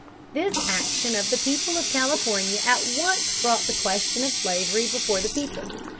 This action of the people of California at once brought the question of slavery before the people.